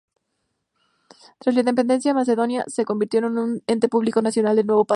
Tras la independencia macedonia se convirtió en el ente público nacional del nuevo país.